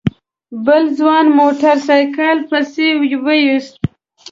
بل ځوان موټر سايکل پسې ويست.